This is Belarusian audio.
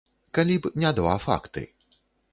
Калі б не два факты.